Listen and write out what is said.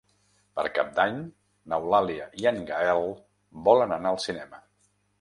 Per Cap d'Any n'Eulàlia i en Gaël volen anar al cinema.